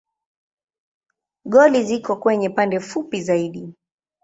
Goli ziko kwenye pande fupi zaidi.